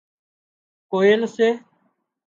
ڪوئيل سي